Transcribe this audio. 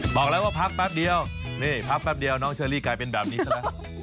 บอกแล้วว่าพักแป๊บเดียวนี่พักแป๊บเดียวน้องเชอรี่กลายเป็นแบบนี้ซะแล้ว